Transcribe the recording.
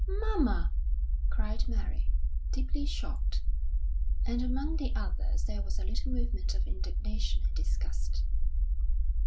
"Mamma!" cried Mary, deeply shocked; and among the others there was a little movement of indignation and disgust.